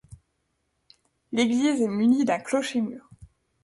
L'église est munie d'un clocher-mur.